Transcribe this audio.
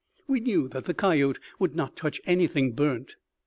We knew that the coyote would not touch anything burnt.